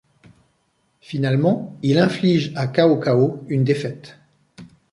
Finalement, il inflige à Cao Cao une défaite.